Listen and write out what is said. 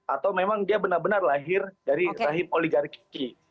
atau memang dia benar benar lahir dari rahim oligarki